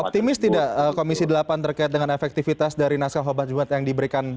optimis tidak komisi delapan terkait dengan efektivitas dari naskah hobat jumat yang diberikan